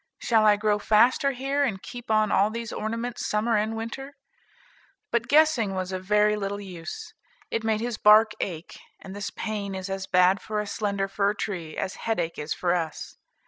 shall I grow faster here, and keep on all these ornaments summer and winter?" But guessing was of very little use; it made his bark ache, and this pain is as bad for a slender fir tree, as headache is for us.